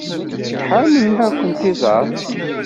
Iḥar melmi ara kent-iẓer.